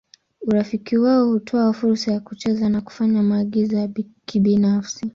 Urafiki wao hutoa fursa ya kucheza na kufanya maagizo ya kibinafsi.